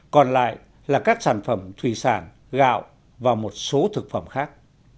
còn lại là các sản phẩm thủy sản gạo và một số thực phẩm khác